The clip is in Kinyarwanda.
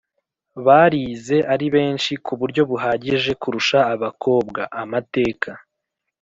barize ari benshi ku buryo buhagije kurusha abakobwa. Amateka